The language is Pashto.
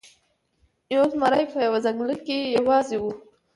یو زمری په یوه ځنګل کې یوازې و.